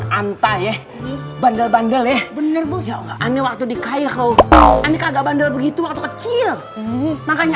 gantah ya bandel bandel ya bener bener waktu dikair kau kagak bandel begitu kecil makanya